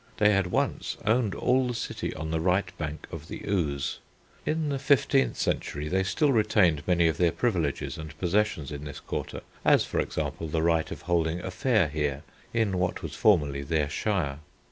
They had once owned all the city on the right bank of the Ouse. In the fifteenth century they still retained many of their privileges and possessions in this quarter, as, for example, the right of holding a fair here in what was formerly their shire.